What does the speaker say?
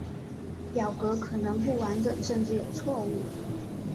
表格可能不完整甚至有错误。